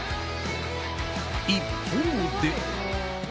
一方で。